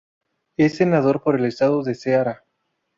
Es senador por el estado de Ceará.